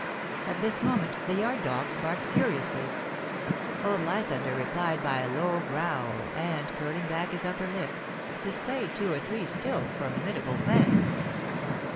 At this moment the yard dogs barked furiously; old Lysander replied by a low growl, and, curling back his upper lip, displayed two or three still formidable fangs.